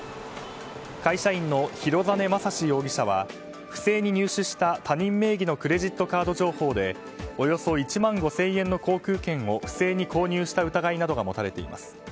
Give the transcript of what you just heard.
会社員の広実雅司容疑者は不正に入手した他人名義のクレジットカード情報でおよそ１万５０００円の航空券を不正に購入した疑いなどが持たれています。